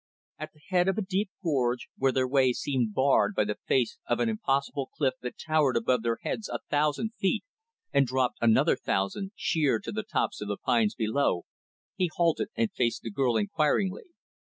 At the head of a deep gorge, where their way seemed barred by the face of an impossible cliff that towered above their heads a thousand feet and dropped, another thousand, sheer to the tops of the pines below, he halted and faced the girl, enquiringly.